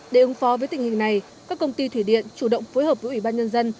để ứng phó với tình hình này các công ty thủy điện chủ động phối hợp với ủy ban nhân dân